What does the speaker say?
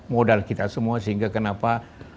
modal kita semua sehingga kenapa